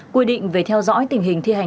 quy định về theo dõi tình hình thi hành